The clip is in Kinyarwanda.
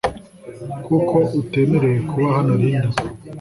kuko utemerewe kuba hano Linda